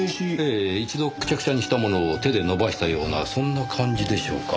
ええ一度クシャクシャにしたものを手で伸ばしたようなそんな感じでしょうか。